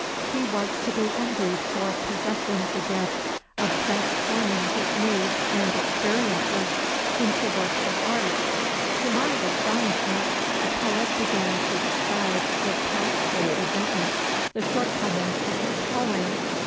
He was to be envied for possessing the gift of transforming his moods and experiences into works of art! To my astonishment the poet began to describe with palpable resentment the shortcomings of his calling.